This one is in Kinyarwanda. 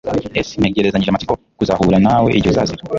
S Ntegerezanyije amatsiko kuzahura nawe igihe uzazira